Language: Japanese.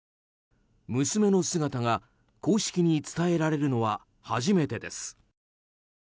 娘の姿が公式に伝えられるのは初めてです。